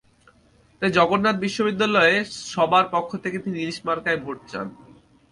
তাই জগন্নাথ বিশ্ববিদ্যালয়ের সবার পক্ষ থেকে তিনি ইলিশ মার্কায় ভোট চান।